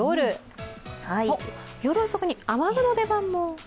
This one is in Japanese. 夜遅くに雨雲の出番も。